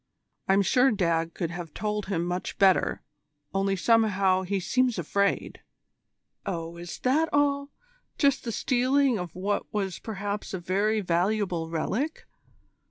I'm sure Dad could have told him much better, only somehow he seems afraid." "Oh, is that all just the stealing of what was perhaps a very valuable relic?